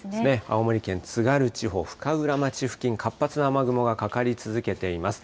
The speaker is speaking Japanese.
青森県津軽地方深浦町付近、活発な雨雲がかかり続けています。